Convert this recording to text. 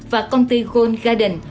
và công ty gold garden